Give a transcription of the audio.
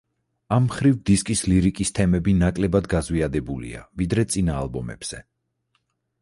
ამ მხრივ დისკის ლირიკის თემები ნაკლებად გაზვიადებულია, ვიდრე წინა ალბომებზე.